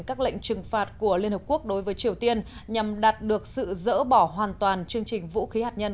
các lệnh trừng phạt của liên hợp quốc đối với triều tiên nhằm đạt được sự dỡ bỏ hoàn toàn chương trình vũ khí hạt nhân